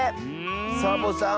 サボさん